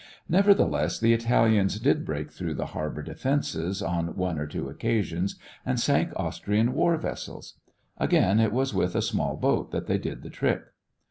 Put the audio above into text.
Nevertheless, the Italians did break through the harbor defenses on one or two occasions and sank Austrian war vessels. Again it was with a small boat that they did the trick.